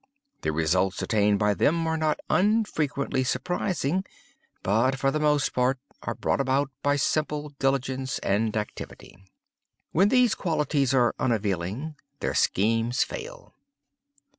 _ The results attained by them are not unfrequently surprising, but, for the most part, are brought about by simple diligence and activity. When these qualities are unavailing, their schemes fail.